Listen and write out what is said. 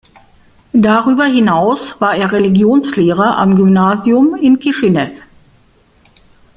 Darüber hinaus war er Religionslehrer am Gymnasium in Kischinew.